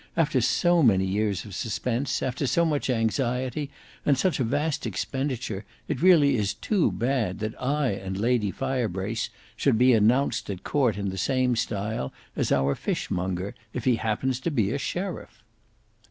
After so many years of suspense, after so much anxiety and such a vast expenditure, it really is too bad that I and Lady Firebrace should be announced at court in the same style as our fishmonger, if he happens to be a sheriff."